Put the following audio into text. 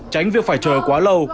tránh việc phải chờ quá lâu